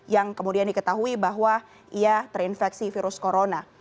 dan diketahui bahwa ia terinfeksi virus corona